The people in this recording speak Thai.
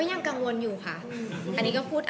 เป็นอย่างกัดตั้งการไหมไปเรียงพอดีก็ยังกังวลอยู่คะ